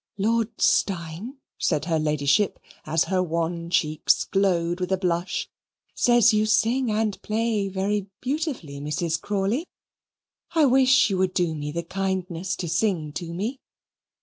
"Lord Steyne," said her Ladyship, as her wan cheeks glowed with a blush, "says you sing and play very beautifully, Mrs. Crawley I wish you would do me the kindness to sing to me."